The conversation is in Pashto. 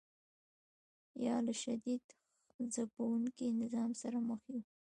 یا له شدید ځپونکي نظام سره مخ یو.